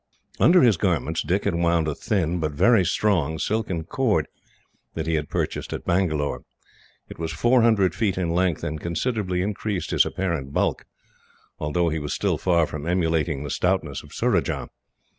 Under his garments Dick had wound a thin, but very strong, silken cord that he had purchased at Bangalore. It was four hundred feet in length, and considerably increased his apparent bulk, although he was still far from emulating the stoutness of Surajah.